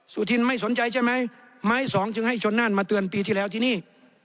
สุธินไม่สนใจใช่ไหมไม้สองจึงให้ชนนั่นมาเตือนปีที่แล้วที่นี่